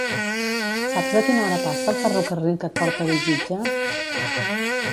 Saps a quina hora passa el ferrocarril que et porta a Bellvitge?